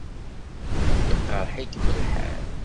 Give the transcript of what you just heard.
Iqṛeḥ-ikem lḥal?